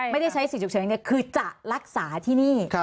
ไม่ได้ใช้สิทธิ์คือจะรักษาที่นี่